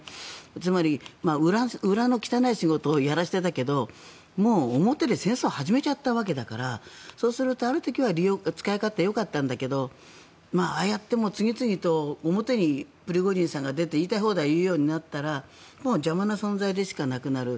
つまり、裏の汚い仕事をやらせていたけどもう表で戦争を始めちゃったわけだからそうすると、ある時は使い勝手がよかったんだけどああやって次々と表にプリゴジンさんが出て言いたい放題言うようになったらもう邪魔な存在でしかなくなる。